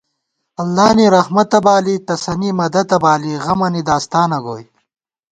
اللہ نی رحمَتہ بالی، تسَنی مدَتہ بالی، غَمَنی داستانہ گوئی